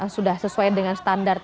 sudah sesuai dengan standar